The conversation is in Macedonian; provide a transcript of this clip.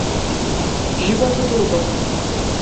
Животот е убав.